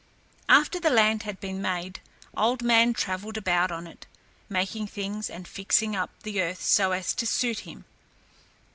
After the land had been made, Old Man travelled about on it, making things and fixing up the earth so as to suit him.